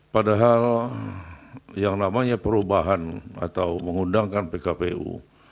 padahal yang namanya perubahan atau mengundangkan pkpu